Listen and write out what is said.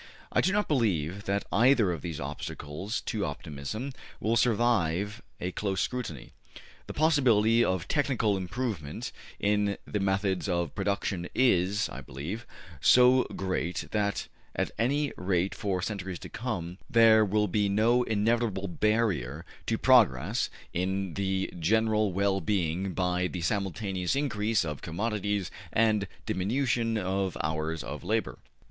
I do not believe that either of these obstacles to optimism will survive a close scrutiny. The possibility of technical improvement in the methods of production is, I believe, so great that, at any rate for centuries to come, there will be no inevitable barrier to progress in the general well being by the simultaneous increase of commodities and diminution of hours of labor.